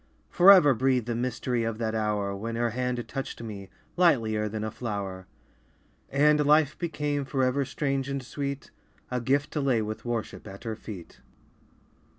Forever breathe the mystery of that hour When her hand touched me, lightlier than a flower, And life became forever strange and sweet, A gift to lay with worship at her feet.